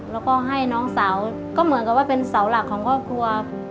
แล้วก็ให้น้องสาวก็เหมือนกับว่าเป็นเสาหลักของครอบครัว